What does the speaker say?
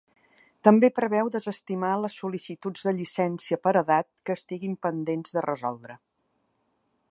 També preveu desestimar les sol·licituds de llicència per edat que estiguin pendents de resoldre.